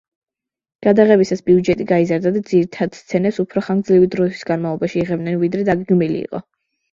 გადაღებისას ბიუჯეტი გაიზარდა და ძირითად სცენებს უფრო ხანგრძლივი დროის განმავლობაში იღებდნენ, ვიდრე დაგეგმილი იყო.